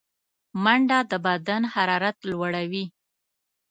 منډه د بدن حرارت لوړوي